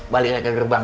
balik lagi ke gerbang